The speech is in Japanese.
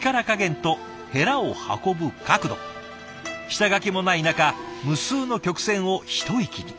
下書きもない中無数の曲線を一息に。